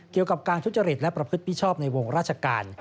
เกี่ยวกับการทุจริตและประพฤติมิชชอบในวงราชการ